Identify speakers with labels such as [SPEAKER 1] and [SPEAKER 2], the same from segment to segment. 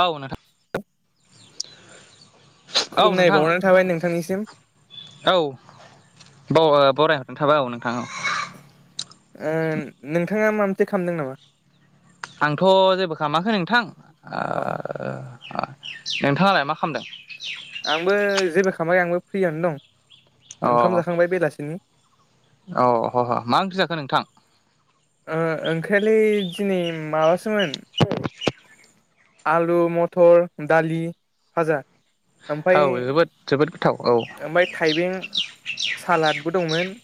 [SPEAKER 1] औ नोंथां। औ
[SPEAKER 2] खुलुमनाय
[SPEAKER 1] नोंथां
[SPEAKER 2] बावनानै थाबाय नोंथांनिसिम
[SPEAKER 1] औ। ब ओ बराय हरनाय थाबाय औ नोंथां औ
[SPEAKER 2] ओ नोंथाङा मा मोनसे खालामदों नामा?
[SPEAKER 1] आंथ' जेबो खालामाखै नोंथां
[SPEAKER 2] अ
[SPEAKER 1] नोंथाङालाय मा खामदों?
[SPEAKER 2] आंबो जेबो खामाखै आंबो फ्रियानो दं ओंखाम जाखांबाय बेलासिनि
[SPEAKER 1] अ ह ह मा ओंख्रि जाखो नोंथां?
[SPEAKER 2] ओ ओंख्रियालै दिनै माबासोमोन आलु मथर दालि भाजा
[SPEAKER 1] औ
[SPEAKER 2] ओमफाय
[SPEAKER 1] जोबोद जोबोद गोथाव औ
[SPEAKER 2] ओमफाय थाइबें सालादबो दंमोन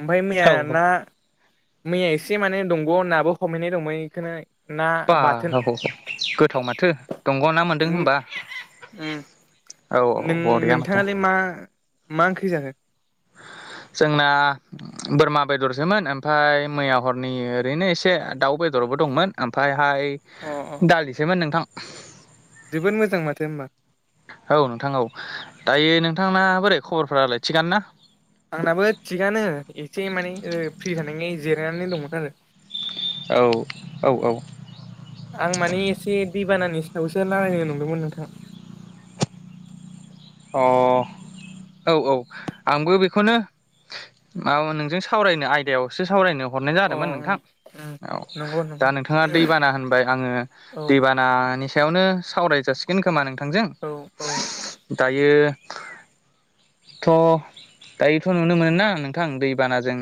[SPEAKER 2] ओमफ्राय
[SPEAKER 1] औ
[SPEAKER 2] मैया
[SPEAKER 1] औ
[SPEAKER 2] ना मैया एसे माने दंग'आव नाबो हमहैनाय दंमोन एखोनो
[SPEAKER 1] बा हौ हौ गोथाव माथो दंग' ना मोनदों होमबा?
[SPEAKER 2] ओम नों नोंथाङालाय मा मा ओंख्रि जाखो?
[SPEAKER 1] जोंना बोरमा बेदरसोमोन ओमफाय मैया हरनि ओरैनो एसे दाउ बे दरबो दंमोन ओमफायहाय
[SPEAKER 2] अ अ
[SPEAKER 1] दालिसोमोन नोंथां।
[SPEAKER 2] जोबोद मोजां माथो होमबा।
[SPEAKER 1] औ नोंथां औ दायो नोंथांना बोरै खबरफोरालाय थिगानो ना?
[SPEAKER 2] आंनाबो थिगानो एसे माने ओ फ्रि जानानै जिरायनानै दंमोन आरो।
[SPEAKER 1] औ औ औ
[SPEAKER 2] आं माने एसे दैबानानि सायावसो रायलायनो नंदोंमोन नोंथां।
[SPEAKER 1] अ औ औ आंबो बेखौनो माबा नोंजों सावरायनो आयदायावसो सावरायनो हरनाय
[SPEAKER 2] अ
[SPEAKER 1] जादोंमोन
[SPEAKER 2] ओं
[SPEAKER 1] नोंथां।
[SPEAKER 2] ओम
[SPEAKER 1] औ
[SPEAKER 2] नंगौ
[SPEAKER 1] दा
[SPEAKER 2] नंगौ
[SPEAKER 1] नोंथाङा दैबाना होनबाय आङो
[SPEAKER 2] औ
[SPEAKER 1] दैबानानि सायावनो सावराय जासिगोन खोमा नोंथां।
[SPEAKER 2] औ औ
[SPEAKER 1] बियो थ' दायोथ' नुनो मोनो ना नोंथां दैबानाजों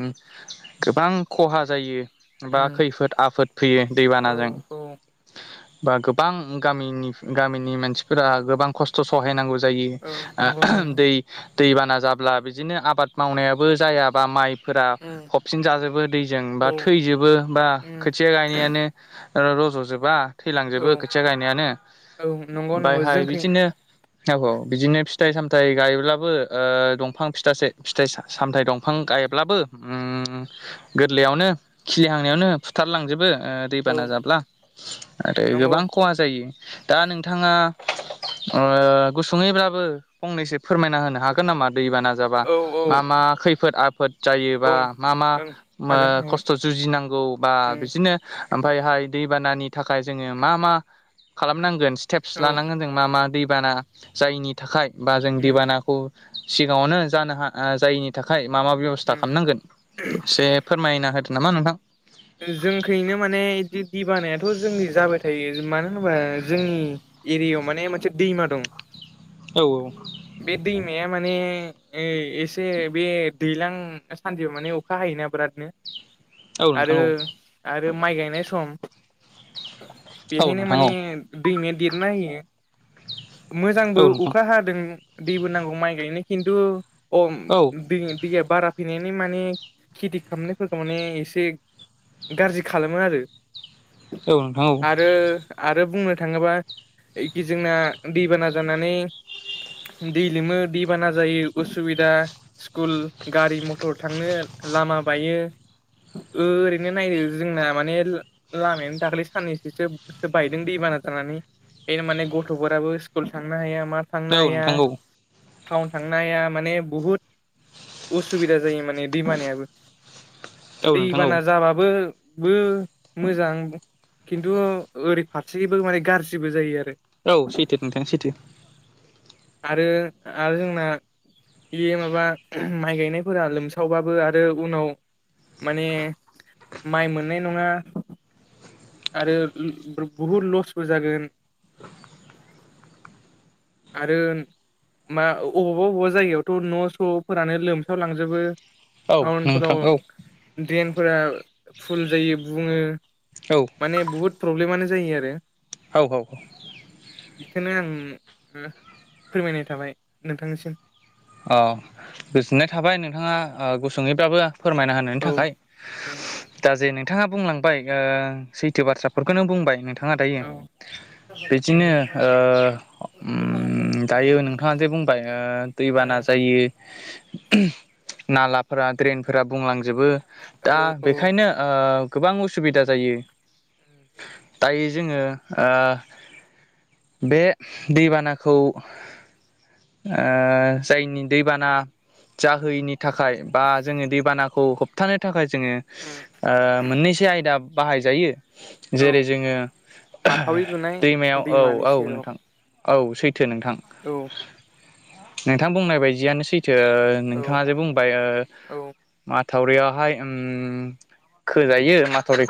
[SPEAKER 1] गोबां खहा जायो। बा खैफोद आफोद फैयो
[SPEAKER 2] औ
[SPEAKER 1] दैबानाजों।
[SPEAKER 2] औ
[SPEAKER 1] बा गोबां गामिनि गामिनि मानसिफोरा गोबां खस्थ' सहायनांगौ जायो
[SPEAKER 2] औ
[SPEAKER 1] आ
[SPEAKER 2] नंगौ
[SPEAKER 1] आहाम
[SPEAKER 2] नंगौ
[SPEAKER 1] दै दैबाना जाब्ला बिदिनो आबाद मावनायाबो जायाबा माइ फोरा
[SPEAKER 2] ओम
[SPEAKER 1] फबसिन जाजोबो दैजों बा
[SPEAKER 2] औ
[SPEAKER 1] थैजोबो बा
[SPEAKER 2] ओम
[SPEAKER 1] खोथिया गायनायानो ओ रज'जोबा थैलांजोबो
[SPEAKER 2] औ
[SPEAKER 1] खोथिया गायनायानो
[SPEAKER 2] औ नंगौ नंगौ
[SPEAKER 1] ओमफायहाय
[SPEAKER 2] जोंखै
[SPEAKER 1] बिदिनो औ औ बिदिनो फिथाइ सामथाइ गायोब्ला बो ओ दंफां फिथासो फिथाइ सा-सामथाइ दंफां गायब्लाबो ओम गोरलै यावनो खिलिहांनायावनो फुथारलांजोबो। ओ
[SPEAKER 2] औ
[SPEAKER 1] दैबाना जाब्ला आरो
[SPEAKER 2] नंगौ
[SPEAKER 1] गोबां खहा जायो दा नोंथाङा ओ गुसुङैब्लाबो फंनैसो फोरमायना होनो हागोन नामा दै बाना जाबा
[SPEAKER 2] औ औ
[SPEAKER 1] मा मा खैफोद आफोद जायो बा
[SPEAKER 2] ओं
[SPEAKER 1] मा मा ओ
[SPEAKER 2] हागोन हागोन
[SPEAKER 1] खस्थ जु जिनांगौ बा
[SPEAKER 2] ओम
[SPEAKER 1] बिदिनो ओमफाय हाय दै बाना नि थाखाय जोङो मा मा खालामनांगोन स्टेप्स
[SPEAKER 2] औ
[SPEAKER 1] लानांगोन जों मा मा दै बाना जायिनि थाखाय बा जों
[SPEAKER 2] ओम
[SPEAKER 1] दैबानाखौ सिगाङावनो जानो हा जायैनि थाखाय मा मा बेब'स्था
[SPEAKER 2] ओम
[SPEAKER 1] खालामनांगोन एसे फोरमायना होदो नामा नोंथां?
[SPEAKER 2] जोंखैनो माने इदि दै बानायाथ' जोंनि जाबाय थायो मानो होनोबा जोंनि एरियायाव माने मानसे दैमा दं
[SPEAKER 1] औ औ
[SPEAKER 2] या माने एसे बे दैलां सानदियाव माने अखा हायोना बिरादनो।
[SPEAKER 1] औ
[SPEAKER 2] आरो
[SPEAKER 1] नोंथां औ
[SPEAKER 2] आरो माइ गायनाय सम
[SPEAKER 1] औ
[SPEAKER 2] बेहायनो
[SPEAKER 1] नोंथां
[SPEAKER 2] माने
[SPEAKER 1] औ
[SPEAKER 2] दैमाया देरना होयो मोजांबो
[SPEAKER 1] औ नोंथां
[SPEAKER 2] अखा हादों। दै बो नांगौ माइ गायनो किन्थु अ
[SPEAKER 1] औ
[SPEAKER 2] दै दैया। बारा फैनायनि माने खेथि खालामनायफोरखौ माने एसे गाज्रि खालामो आरो
[SPEAKER 1] औ नोंथां औ
[SPEAKER 2] आ आरो बुंनो थाङोबा एखि जोंना दैबाना जानानै। दै लोमो दैबाना जायो उसुबिदा स्कुल गारि मथर थांनो। लामा बायो।
[SPEAKER 1] [inaudible]
[SPEAKER 2] ओरैनो नायो जोंना माने ला-लामायानो दाखालै साननैसोसो सो बायदों दै बाना जानानै। बेनो माने गथ'फोराबो स्कुल थांनो हाया मा थांनो
[SPEAKER 1] औ
[SPEAKER 2] हाया।
[SPEAKER 1] नोंथां औ
[SPEAKER 2] टाउन थांनाया माने बुहुद असुबिदा जायो माने दैमानियाबो
[SPEAKER 1] औ नोंथां औ
[SPEAKER 2] दैबाना जाबाबो बो मोजां खिन्थु ओरै फारसेबो माने गाज्रिबो जायो आरो।
[SPEAKER 1] औ सैथो नोंथां सैथो।
[SPEAKER 2] आरो आरो जोंना। बेयो माबा माइ गायनायफोरा लोमसावबाबो आरो उनाव। माने माइ मोननाय नङा। आरो ओम बुहुद लसबो जागोन।
[SPEAKER 1] [inaudible]
[SPEAKER 2] आरो मा अबावबा अबावबा जायगायावथ' न' स'फोरानो लोमसाव लांजोबो।
[SPEAKER 1] औ नोंथां औ।
[SPEAKER 2] द्रेनफोरा फुल जायो बुङो
[SPEAKER 1] औ
[SPEAKER 2] माने बहुद प्रब्लेमानो जायो आरो।
[SPEAKER 1] औ औ।
[SPEAKER 2] बेखौनो आं फोरमायनाय थाबाय नोंथांनिसिम।
[SPEAKER 1] अ गोजोननाय थाबाय नोंथाङा ओ गुसुङैब्लाबो। फोरमायना होनो
[SPEAKER 2] औ
[SPEAKER 1] थाखाय
[SPEAKER 2] उम
[SPEAKER 1] दा जे न थाङा बुंलांबाय ओ सैथो बाथ्राफोरखौनो बुंबाय नोंथा। थाङा दायो
[SPEAKER 2] औ
[SPEAKER 1] बिदिनो
[SPEAKER 2] नंगौ
[SPEAKER 1] ओ उम दायो नोंथाङा जे बुंबाय ओ। दैबाना
[SPEAKER 2] उम
[SPEAKER 1] जायो नालाफोरा द्रेनफोरा बुंलाङो। जोबो
[SPEAKER 2] औ
[SPEAKER 1] दा
[SPEAKER 2] औ उम
[SPEAKER 1] बेखायनो ओ गोबां उसुबिदा जायो। दायो जोङो ओ बे दैबानाखौ ओ जायनि दैबाना जाहोयैनि थाखाय बा जोङो दैबानाखौ होबथानो थाखाय। जोङो
[SPEAKER 2] उम
[SPEAKER 1] ओ मोननैसो आयदा बाहायजायो।
[SPEAKER 2] औ
[SPEAKER 1] जेरै जोङो
[SPEAKER 2] माथावरि लुनाय
[SPEAKER 1] दैमायाव औ
[SPEAKER 2] दैमानि
[SPEAKER 1] औ
[SPEAKER 2] सेराव
[SPEAKER 1] नोंथां। औ सैथो नोंथां।
[SPEAKER 2] औ
[SPEAKER 1] नोंथां बुंनाय बायदियानो सैथो
[SPEAKER 2] औ
[SPEAKER 1] नोंथाङा जे बुंबाय ओ
[SPEAKER 2] औ
[SPEAKER 1] मा थावरियावहाय ओम खोजायो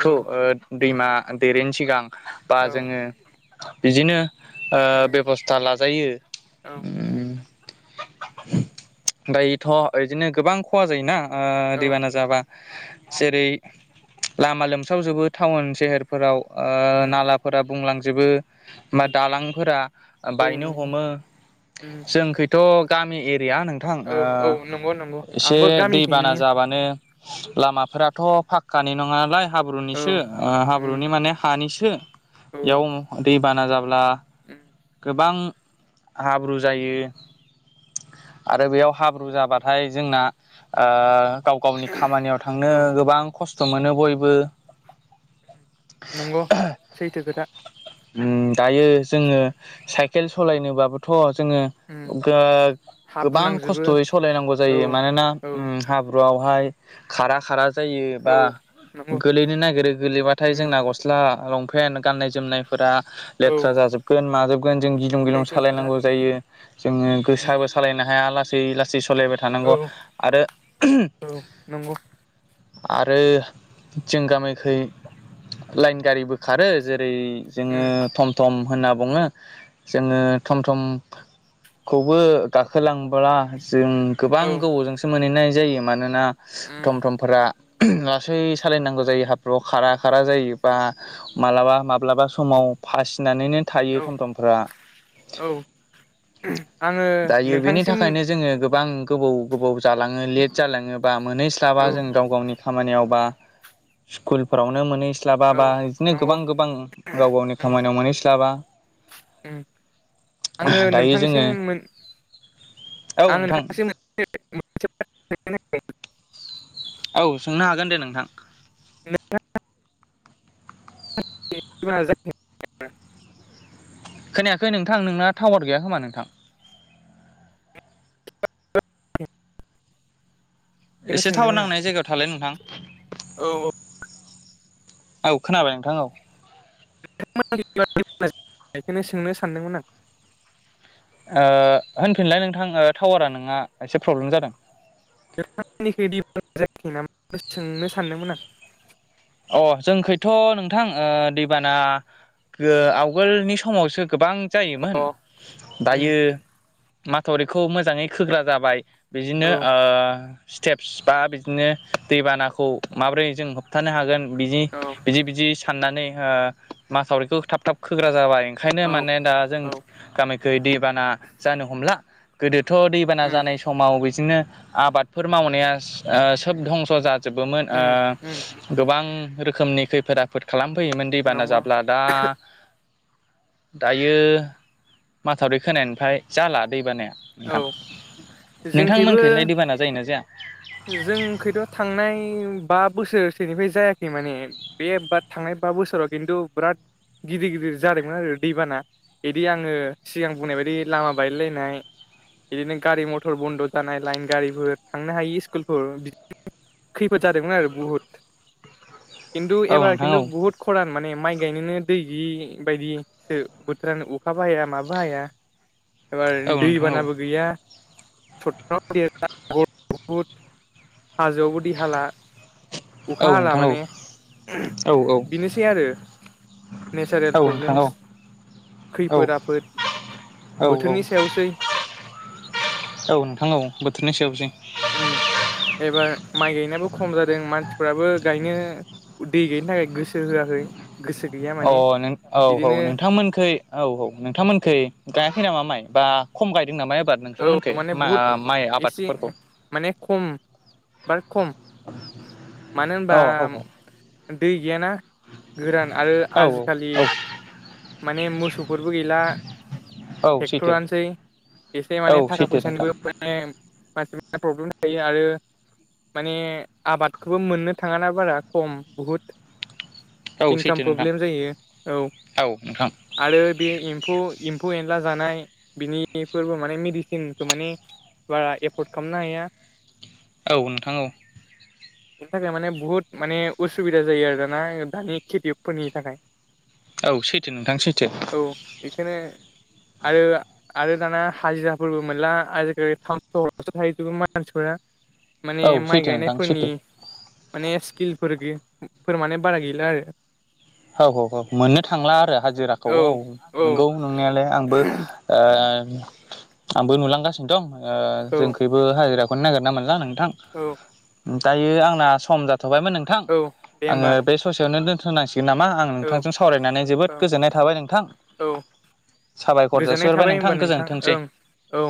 [SPEAKER 2] औ
[SPEAKER 1] ओ
[SPEAKER 2] उम
[SPEAKER 1] दैमा देरेन सिगां बा
[SPEAKER 2] औ
[SPEAKER 1] जोङो बिदिनो। ओ
[SPEAKER 2] उम
[SPEAKER 1] बेब'स्था लाजायो
[SPEAKER 2] औ
[SPEAKER 1] उम। दायोथ' इदिनो गोबां खहा जायोना। ओ
[SPEAKER 2] औ
[SPEAKER 1] दैबाना जाबा
[SPEAKER 2] उम
[SPEAKER 1] जेरै लामा लोमसावजोबो टाउन सेहेरफोराव ओ
[SPEAKER 2] उम
[SPEAKER 1] नालाफोरा बुंलांजोबो। बा
[SPEAKER 2] उम
[SPEAKER 1] दालांफोरा
[SPEAKER 2] औ
[SPEAKER 1] बायनो
[SPEAKER 2] नंगौ
[SPEAKER 1] हमो
[SPEAKER 2] उम
[SPEAKER 1] जोंखैथ' गामि एरि गैया नोंथां
[SPEAKER 2] औ औ नंगौ नंगौ
[SPEAKER 1] एसे
[SPEAKER 2] आंबो
[SPEAKER 1] दैबाना
[SPEAKER 2] गामिखैनो
[SPEAKER 1] जाबानो। लामाफोराथ' फाखक्कानि नङालाय
[SPEAKER 2] औ
[SPEAKER 1] हाब्रुनिसो ओ
[SPEAKER 2] उम
[SPEAKER 1] हाब्रुनि माने हानिसो थो
[SPEAKER 2] औ
[SPEAKER 1] इयाव
[SPEAKER 2] उम
[SPEAKER 1] दैबाना जाब्ला गोबां हाब्रु जायो। आरो बेयाव हाब्रु जाबाथाय जोंना गाव गावनि खामानियाव थांनो
[SPEAKER 2] औ
[SPEAKER 1] गोबां खस्थ' मोनो बयबो
[SPEAKER 2] नंगौ सैथो खोथा
[SPEAKER 1] उम दायो जोङो साइकेल सलायनोबाबोथ' जोङो
[SPEAKER 2] उम हाब्रु
[SPEAKER 1] गोबां
[SPEAKER 2] नांजोबो
[SPEAKER 1] खस्थ'यै सालायनांगौ
[SPEAKER 2] औ
[SPEAKER 1] जायो मानोना
[SPEAKER 2] औ
[SPEAKER 1] हाब्रुआवहाय खारा खारा जायो
[SPEAKER 2] औ
[SPEAKER 1] बा
[SPEAKER 2] नंगौ
[SPEAKER 1] गोलैनो नागिरो गोलैबाथाय
[SPEAKER 2] उम
[SPEAKER 1] जोंना गस्ला लं- फेन गाननाय जोमनायफोरा
[SPEAKER 2] औ
[SPEAKER 1] लेथ्रा जाजोबगोन माजो जों गिलुं गिलुं
[SPEAKER 2] सैथो खोथा
[SPEAKER 1] सालायनांगौ जायो जोङो
[SPEAKER 2] उम
[SPEAKER 1] गोसाबो सालायनो हाया लासै ला जे सालायबाय थानांगौ
[SPEAKER 2] औ
[SPEAKER 1] आरो
[SPEAKER 2] औ नंगौ
[SPEAKER 1] आरो जों गामिखै लाइन गारिबो खारो जेरै जोङो
[SPEAKER 2] उम
[SPEAKER 1] थम थम होनना बुङो जोङो थम थमखौबो गाखोलां फुराजों गोबां
[SPEAKER 2] औ
[SPEAKER 1] गोबावजोंसो मोनहैनाय जायो मानोना
[SPEAKER 2] उम
[SPEAKER 1] थम थमफोरा लासै सालायनांगौ जायो हाब्रुआव खारा खारा जायो बा माब्लाबा माब्लाबा समाव फासिनानैनो थायो
[SPEAKER 2] औ
[SPEAKER 1] थम थमफ्रा
[SPEAKER 2] औ आङो
[SPEAKER 1] दायो बेनि
[SPEAKER 2] नोंथांसिम
[SPEAKER 1] थाखायनो जोङो गोबां होबौ गोबाव जालाङो लेट जालाङो बा मोनहैस्लाबा
[SPEAKER 2] औ
[SPEAKER 1] जों गाव गावनि खामानियाव बा स्कुलफोरावनो मोनहैस्लाबा
[SPEAKER 2] औ
[SPEAKER 1] बा बिदिनो
[SPEAKER 2] नंगौ
[SPEAKER 1] गोबां गोबां गाव गावनि
[SPEAKER 2] उम
[SPEAKER 1] खामानियाव मोनहैस्लाबा
[SPEAKER 2] उम आङो
[SPEAKER 1] दायो जोङो
[SPEAKER 2] नोंथांसिम मोन
[SPEAKER 1] औ
[SPEAKER 2] आङो
[SPEAKER 1] नोंथां
[SPEAKER 2] नोंथांसिम [unintelligible]
[SPEAKER 1] औ सोंनो हागोन दे नोंथां
[SPEAKER 2] [inaudible]
[SPEAKER 1] खोनायाखै नोंथां नोंना टावार गैया खोमा नोंथां एसे थावार
[SPEAKER 2] सोंदोंमोन आं
[SPEAKER 1] नांनाय जायगायाव थालाय नोंथां
[SPEAKER 2] औ
[SPEAKER 1] औ खोनाबाय नोंथां औ
[SPEAKER 2] नोंथांमोन बेखौनो सोंनो सानदोंमोन आं
[SPEAKER 1] ओ होनफिनलाय नोंथां ओ टावारा नोंङा एसे प्रब्लेम जादों
[SPEAKER 2] नोंथांनिखै दैबाना जायाखै नामा सोंनो सानदोंमोन आं
[SPEAKER 1] अ जोंखैथ' नोंथां ओ दैबाना गो आवगोलनि समावसो गोबां
[SPEAKER 2] अ
[SPEAKER 1] जायोमोन
[SPEAKER 2] उम
[SPEAKER 1] दायो माथावरिखौ मोजाङै खोग्रा जाबाय बिदिनो
[SPEAKER 2] औ
[SPEAKER 1] स्टेप्स बा बिदिनो दैबानाखौ माबोरै जों होबथानो हागोन। बिदि
[SPEAKER 2] औ
[SPEAKER 1] बिदि बिदि साननानै माथावरिखौ थाब थाब खोग्रा जाबाय खायनो
[SPEAKER 2] औ
[SPEAKER 1] माने दा जों
[SPEAKER 2] औ
[SPEAKER 1] गामिखै दैबाना जानो हमला गोदो थ' दैबाना
[SPEAKER 2] उम
[SPEAKER 1] जानाय समाव बिदिनो आबादफोर मावनाया सोब धंस' जा जोबोमोन
[SPEAKER 2] उम उम
[SPEAKER 1] गोबां रोखोमनि खैफोद आफोद खालाम फैयोमोन दैबाना
[SPEAKER 2] नंगौ
[SPEAKER 1] जाब्ला दा दायो माथावरि खोनायानिफ्राय जाला दैबानाया
[SPEAKER 2] औ
[SPEAKER 1] नोंथां नोंथांमोनखैलाय दैबाना जायोना जाया?
[SPEAKER 2] जों खैथ' थांनाय बा बोसोरसेनिफ्राय जायाखै माने बे बा थांनाय बा बोसोराव खिन्थु बिराद गिदिर गिदिर जादोंमोन आरो दैबाना बिदि आङो सिगां बुंनाय बायदि लामा बायलायलायनाय बिदिनो गारि मथर बन्द' जानाय लाइन गारिफोर थांनो हायि स्कुलफोर खैफोद जादोंमोन आरो बुहुद खिन्थु
[SPEAKER 1] औ
[SPEAKER 2] एबार
[SPEAKER 1] नोंथां
[SPEAKER 2] खिन्थु
[SPEAKER 1] औ
[SPEAKER 2] बुहुत खरान माने माइ गायनोनो दै गैयि बायदिसो बोथोरानो अखाबो हाया माबो हाया
[SPEAKER 1] [inaudible]
[SPEAKER 2] एबार
[SPEAKER 1] नोंथां औ
[SPEAKER 2] दैबानाबो गैया सटफोराव [unintelligible] देरला बुहुद बुहुद हाजो आवबोदि हाला [unintelligible]
[SPEAKER 1] औ
[SPEAKER 2] अखा हाला
[SPEAKER 1] नोंथां औ
[SPEAKER 2] माने
[SPEAKER 1] औ
[SPEAKER 2] बेनोसै आरो नेचारेल
[SPEAKER 1] औ नोंथां औ
[SPEAKER 2] प्रब्लेमस
[SPEAKER 1] औ
[SPEAKER 2] खैफोद आफोद
[SPEAKER 1] औ
[SPEAKER 2] बोथोरनि सायावसै
[SPEAKER 1] औ नोंथां औ बोथोरनि सायावसै
[SPEAKER 2] उम एबार माइ गायनायाबो खम जादों मानसिफ्राबो गायनो दै गायनो थाखाय गोसो होआखै गोसो गैया
[SPEAKER 1] अ
[SPEAKER 2] माने
[SPEAKER 1] नों औ औ
[SPEAKER 2] बिदिनो
[SPEAKER 1] नोंथांमोनखै औ औ नोंथांमोनखै गा याफै नामा माइ बा खम गाय दों नामा एबार माइ आबाद
[SPEAKER 2] औ
[SPEAKER 1] नोंथांमोनखै
[SPEAKER 2] माने
[SPEAKER 1] मा
[SPEAKER 2] बुहुद
[SPEAKER 1] माइ आबादफोरखौ
[SPEAKER 2] एबार खम मानो होनबा
[SPEAKER 1] औ औ औ
[SPEAKER 2] दै गैयाना गोरान आरो
[SPEAKER 1] औ
[SPEAKER 2] आजिखालि
[SPEAKER 1] औ
[SPEAKER 2] माने मोसौफोरबो गैला
[SPEAKER 1] औ सैथो
[SPEAKER 2] टेक्टरानोसै एसे
[SPEAKER 1] औ
[SPEAKER 2] माने थाखा
[SPEAKER 1] सैथो नोंथां
[SPEAKER 2] फैसानिबो माने मानसिफोरा प्रब्लेम थायो आरो [unintelligible] माने आबादखौबो मोननो थाङाना बारा खम बुहुत
[SPEAKER 1] औ
[SPEAKER 2] इनकाम
[SPEAKER 1] सैथो नोंथां
[SPEAKER 2] प्रब्लेम जायो, औ आरो बे एम्फौ एम्फौ एनला जानाय बिनि फोरबो माने मेडिसिनखो माने बारा एफर्द खामनो हाया।
[SPEAKER 1] औ नोंथां औ।
[SPEAKER 2] बेनि थाखाय माने बुहुत माने उसुबिदा जायो आरो दाना दानि खेथिअकफोरनि थाखाय।
[SPEAKER 1] औ सैथो नोंथां सैथो
[SPEAKER 2] औ एखोनो आरो आरो दाना हाजिराफोरबो मोनला आजिखालि थामस' हरसो मानसिफोरा [unintelligible] माने
[SPEAKER 1] औ
[SPEAKER 2] माइ
[SPEAKER 1] सैथो नोंथां
[SPEAKER 2] गायनायफोरनि
[SPEAKER 1] सैथो
[SPEAKER 2] माने स्किलफोर फोर माने बारा गैला आरो।
[SPEAKER 1] औ हौ हौ मोननो थांला आरो हाजिराखौ औ
[SPEAKER 2] औ
[SPEAKER 1] नंगौ नंनायालाय आंबो ओ आंबो नुलांगासिनो दं ओ
[SPEAKER 2] औ
[SPEAKER 1] जोंखबो हाजिराखौनो नागिरनाा मोनला नों थां
[SPEAKER 2] औ
[SPEAKER 1] दायो आंना सम जाथ'बायमोन नोंथां
[SPEAKER 2] औ दे
[SPEAKER 1] आङो
[SPEAKER 2] होमबा
[SPEAKER 1] बे ससेयावनो दोन थ'सै नामा आं
[SPEAKER 2] औ
[SPEAKER 1] नोंथांजों सावरायनानै जोबोद
[SPEAKER 2] औ
[SPEAKER 1] गोजोननाय थाबाय नोंथां।
[SPEAKER 2] औ
[SPEAKER 1] साबायखर जासि
[SPEAKER 2] गोजोननाय
[SPEAKER 1] हरबाय
[SPEAKER 2] थाबाय
[SPEAKER 1] नोंथां
[SPEAKER 2] होमबा
[SPEAKER 1] गोजोनथोंसै
[SPEAKER 2] ओं
[SPEAKER 1] ‌।
[SPEAKER 2] औ